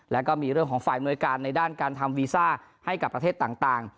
แล้วก็มีเรื่องของฝ่ายมวยการในด้านการทำวีซ่าให้กับประเทศต่าง